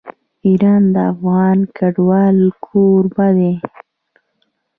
ایران د افغان کډوالو کوربه دی.